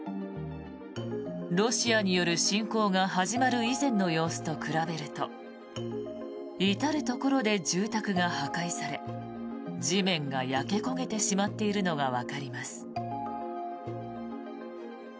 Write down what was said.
ロシアによる侵攻が始まる以前の様子と比べると至るところで住宅が破壊され地面が焼け焦げてしまっているのがわかります。